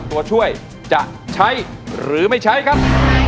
ตัวช่วยจะใช้หรือไม่ใช้ครับ